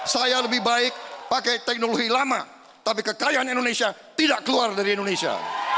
saya lebih baik pakai teknologi lama tapi kekayaan indonesia tidak keluar dari indonesia